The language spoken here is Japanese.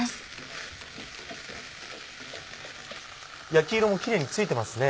焼き色もキレイについてますね。